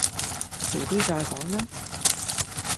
遲啲再講啦